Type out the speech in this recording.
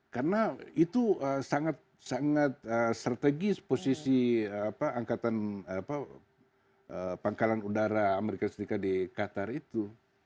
karena itu sangat strategis posisi pangkalan udara amerika serikat di qatar itu